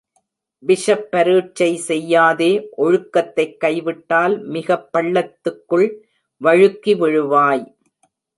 விஷப்பரீட்சை செய்யாதே ஒழுக்கத்தைக் கைவிட்டால் மிகப் பள்ளத்துக்குள் வழுக்கி விழுவாய்.